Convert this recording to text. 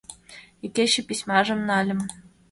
Икече письмажым нальым.